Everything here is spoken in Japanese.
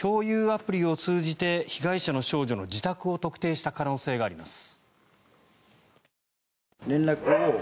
アプリを通じて被害者の少女の自宅を特定した可能性があります。